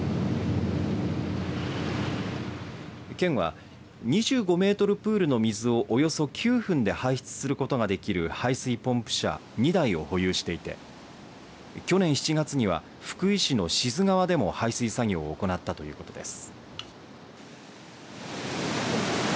県は２５メートルプールの水をおよそ９分で排出することができる排水ポンプ車を２台を保有していて去年７月には福井市の志津川でも排水作業を行ったということです。